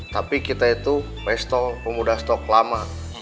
tapi kita itu pistol pemuda stok lama